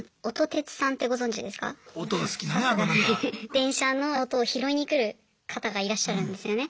電車の音を拾いに来る方がいらっしゃるんですよね。